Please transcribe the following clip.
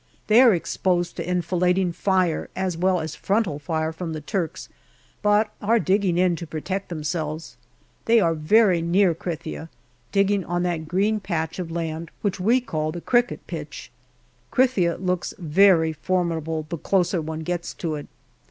They are exposed to enfilading fire as well as frontal fire from the Turks, but are digging in to protect themselves. They are very near Krithia, digging on that green patch of land which we call the cricket pitch. Krithia looks very formidable the closer one gets to it.